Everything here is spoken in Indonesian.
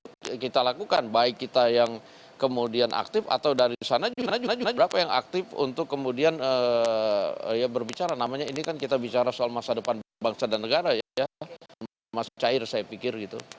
yang kita lakukan baik kita yang kemudian aktif atau dari sana juga berapa yang aktif untuk kemudian ya berbicara namanya ini kan kita bicara soal masa depan bangsa dan negara ya masih cair saya pikir gitu